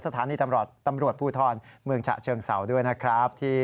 สถานีตำรวจตำรวจผู้ทอดเมืองฉะเชิงเสาด้วยนะครับ